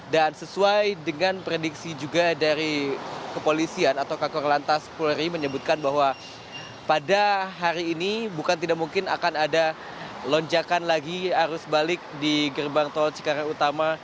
sesuai dengan prediksi juga dari kepolisian atau kakor lantas polri menyebutkan bahwa pada hari ini bukan tidak mungkin akan ada lonjakan lagi arus balik di gerbang tol cikarang utama